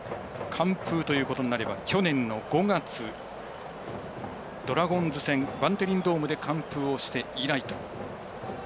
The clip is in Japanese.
完封ということになれば去年の５月ドラゴンズ戦バンテリンドームで完封して以来と。